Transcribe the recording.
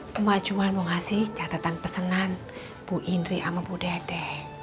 cuma mau ngasih catatan pesanan bu indri sama bu dede